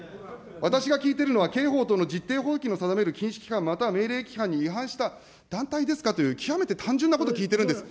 私が聞いているのは、刑法等の実定法規の定める禁止規範、命令規範に違反した団体ですかという、極めて単純なこと聞いてるんです。